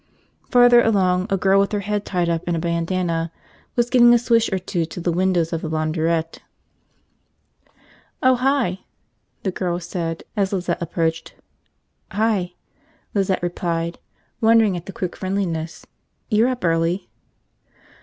Farther along a girl with her head tied up in a bandana was giving a swish or two to the windows of the launderette. "Oh, hi," the girl said as Lizette approached. "Hi," Lizette replied, wondering at the quick friendliness. "You're up early."